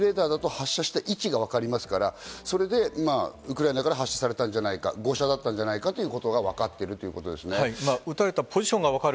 レーダーだと発射された位置がわかりますから、ウクライナから発射されたんじゃないか、誤射だったんじゃないかということがわかっているということですね。